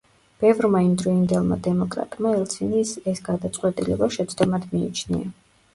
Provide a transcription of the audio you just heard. ბევრმა იმდროინდელმა დემოკრატმა ელცინის ეს გადაწყვეტილება შეცდომად მიიჩნია.